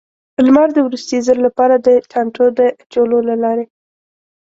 لمر د وروستي ځل لپاره، د ټانټو د چولو له لارې.